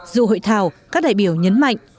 dù hội thảo các đại biểu nhân viên